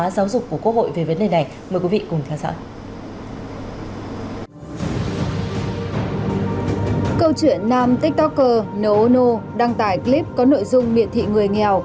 câu chuyện nam tiktoker nono đăng tải clip có nội dung miệt thị người nghèo